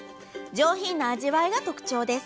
上品な味わいが特徴です。